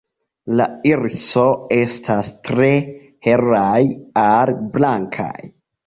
La iriso estas tre helaj al blankaj.